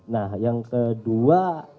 nah yang kedua